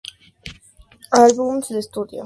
Albums de estudio